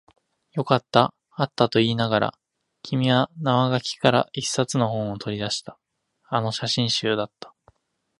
よかった、あったと言いながら、君は生垣から一冊の本を取り出した。あの写真集だった。